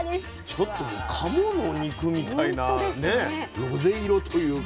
ちょっともう鴨の肉みたいなねロゼ色というか。